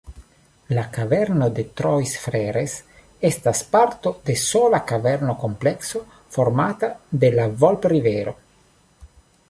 La Kaverno de Trois-Freres estas parto de sola kaverno-komplekso formata de la Volp-rivero.